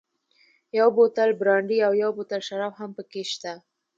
یو بوتل برانډي او یو بوتل شراب هم پکې شته.